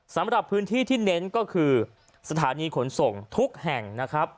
สำหรับพื้นที่ที่เน้นก็คือสถานีขนส่งทุกแห่งนะครับ